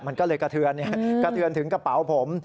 มันก็เลยกระเทือนกระเทือนถึงกระเป๋าผม